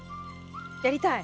やりたい。